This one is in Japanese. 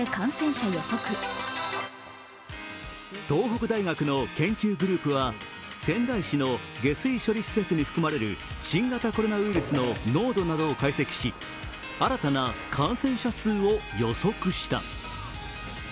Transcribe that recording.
東北大学の研究グループは仙台市の下水処理施設に含まれる新型コロナウイルスの濃度などを解析し新たな感染者数を予測した。